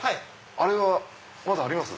あれはまだあります？